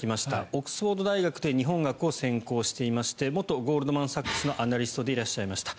オックスフォード大学で日本学を専攻していまして元ゴールドマン・サックスのアナリストでいらっしゃいました。